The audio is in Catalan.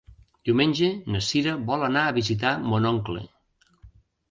Diumenge na Cira vol anar a visitar mon oncle.